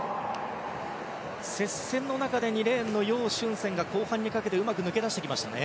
接戦の中で２レーンのヨウ・シュンセンが後半にかけてうまく抜け出してきましたね。